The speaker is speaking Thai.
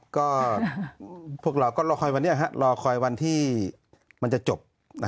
ก็พวกเราก็รอคอยวันนี้รอคอยวันที่มันจะจบ